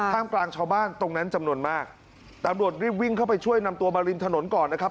มกลางชาวบ้านตรงนั้นจำนวนมากตำรวจรีบวิ่งเข้าไปช่วยนำตัวมาริมถนนก่อนนะครับ